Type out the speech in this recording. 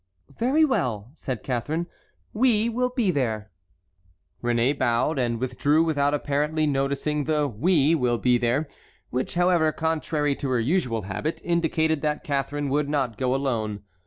"Very well," said Catharine, "we will be there." Réné bowed, and withdrew without apparently noticing the "we will be there," which, however, contrary to her usual habit, indicated that Catharine would not go alone.